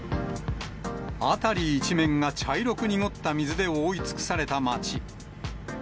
辺り一面が茶色く濁った水で覆い尽くされた町。